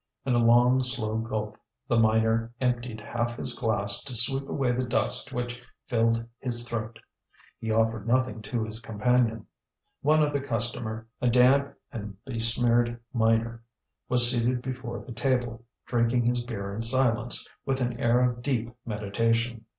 In a long, slow gulp, the miner emptied half his glass to sweep away the dust which filled his throat. He offered nothing to his companion. One other customer, a damp and besmeared miner, was seated before the table, drinking his beer in silence, with an air of deep meditation.